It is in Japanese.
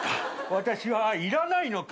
私はいらないのか」